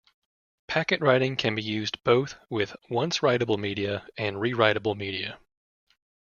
Packet writing can be used both with once-writeable media and rewriteable media.